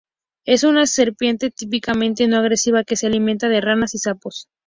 Es una serpiente típicamente no agresiva que se alimenta de ranas y sapos.